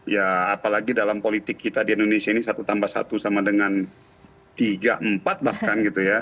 ya apalagi dalam politik kita di indonesia ini satu tambah satu sama dengan tiga empat bahkan gitu ya